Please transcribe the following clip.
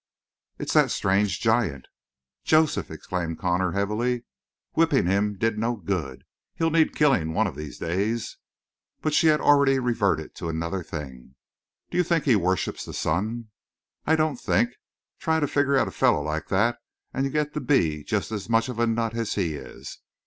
"It's that strange giant." "Joseph!" exclaimed Connor heavily. "Whipping did him no good. He'll need killing one of these days." But she had already reverted to another thing. "Do you think he worships the sun?" "I don't think. Try to figure out a fellow like that and you get to be just as much of a nut as he is.